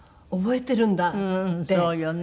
そうよね。